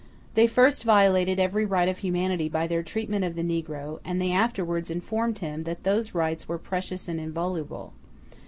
They first violated every right of humanity by their treatment of the negro and they afterwards informed him that those rights were precious and inviolable.